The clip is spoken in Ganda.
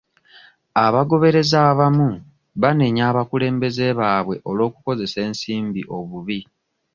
Abagoberezi abamu banenya abakulembeze baabwe olw'okukozesa ensimbi obubi.